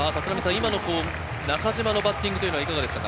今の中島のバッティングはいかがでしたか？